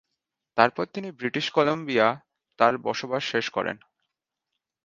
তারপর তিনি British Columbia তার বসবাস শেষ করেন।